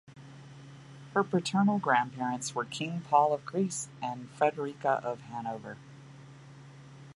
Her paternal grandparents were King Paul of Greece and Frederika of Hanover.